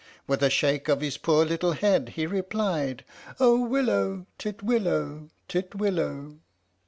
With a shake of his poor little head he replied, "Oh willow, titwillow, titwillow!